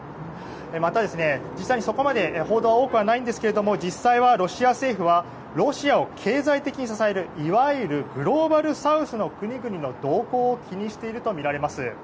また、実際にそこまで報道は多くはないんですけれども実際は、ロシア政府はロシアを経済的に支えるいわゆるグローバルサウスの国々の動向を気にしているとみられます。